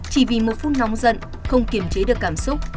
chỉ vì một phút nóng giận không kiềm chế được cảm xúc